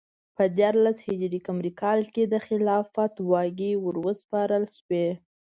په دیارلس ه ق کال کې د خلافت واګې وروسپارل شوې.